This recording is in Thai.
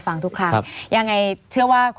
ไม่มีครับไม่มีครับ